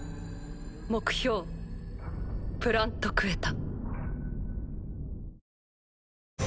目標プラント・クエタ。